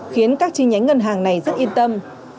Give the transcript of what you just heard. khiến các chi nhánh ngân hàng này rất yên tâm